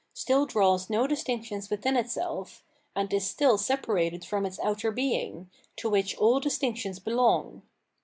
711 The Artijicef still draws no distinctions within itself, and is still separated from its outer being, to which aU distinctions belong.